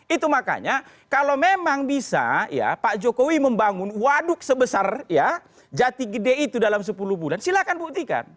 itu makanya kalau memang bisa ya pak jokowi membangun waduk sebesar ya jati gede itu dalam sepuluh bulan silahkan buktikan